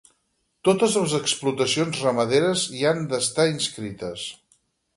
Totes les explotacions ramaderes hi han d'estar inscrites.